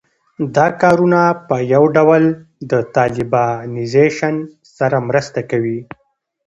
دا کارونه په یو ډول د طالبانیزېشن سره مرسته کوي